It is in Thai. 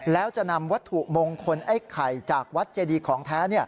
แล้วจะนำวัตถุมงคลไอ้ไข่จากวัดเจดีของแท้